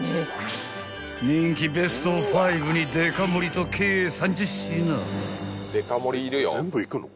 ［人気ベスト５にデカ盛りと計３０品］